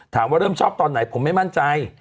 เริ่มชอบตอนไหนผมไม่มั่นใจ